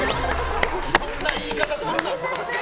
そんな言い方するな！